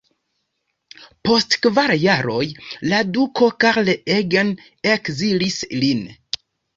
Post kvar jaroj la duko Karl Eugen ekzilis lin.